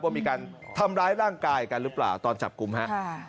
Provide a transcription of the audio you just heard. ว่ามีการทำร้ายร่างกายกันหรือเปล่าตอนจับกลุ่มฮะ